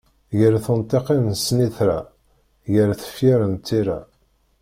Gar tunṭiqin n snitra, gar tefyar n tira.